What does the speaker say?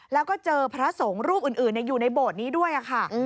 แล้วก็เจอพระสงฆ์รูปอื่นอยู่ในโบสถ์นี้ด้วยค่ะ